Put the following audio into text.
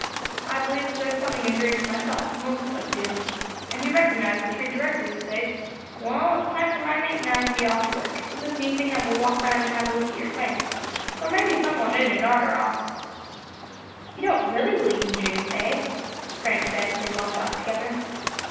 I believes there's something in dreams myself; most of us do. And he recognised the tree directly, you say? Wall, it's time for my mate and I to be off to work, but this evening I will walk round and have a look at your claim; thar may be somewhat in it, arter all." "You don't really believe in dreams, Abe?" Frank said, as they walked off together.